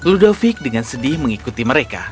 ludovic dengan sedih mengikuti mereka